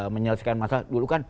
menyelesaikan masalah dulu kan